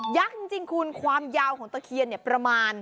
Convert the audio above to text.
ยักษ์จริงคุณความยาวของตะเคียนประมาณ